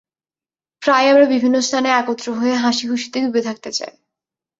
প্রায়ই আমরা বিভিন্ন স্থানে একত্র হয়ে হাসি খুশিতে ডুবে থাকতে চাই।